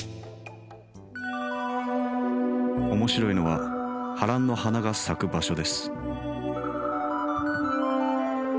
面白いのはハランの花が咲く場所です。